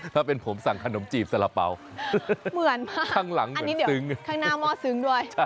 ถ้าเป็นผมสั่งขนมจีบซะละเป๋าเหมือนมากข้างหลังเหมือนซึ๊ง